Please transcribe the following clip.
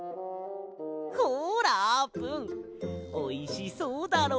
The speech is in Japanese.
ほらあーぷんおいしそうだろ？